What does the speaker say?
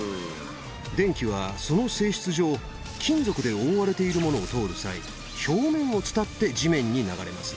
電気はその性質上金属で覆われているものを通る際表面を伝って地面に流れます。